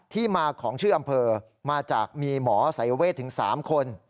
ที่มาของชื่ออำเภอมาจากมีหมอสายเวทถึง๓คน